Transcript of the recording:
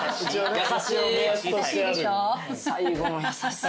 優しい。